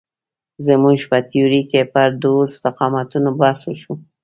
زموږ په تیورۍ کې پر دوو استقامتونو بحث وشو.